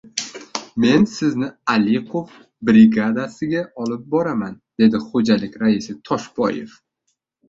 — Men sizni Aliqulov brigadasiga olib boraman, — dedi xo‘jalik raisi Toshboyev.